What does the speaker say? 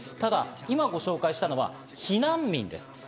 今、ご紹介したのは避難民です。